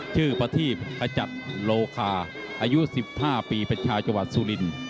ชื่อประธิบขจัดโลคาอายุ๑๕ปีประชาจังหวัดซูลิน